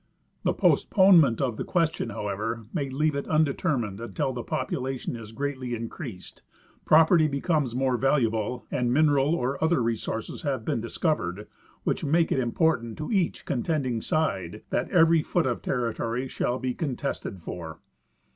The postponement of the question, however, may leave it undetermined until the population is greatly increased, property becomes more valuable, and mineral or other resources have been discovered which make it important to each contending side that every foot of territory shall be con tested for.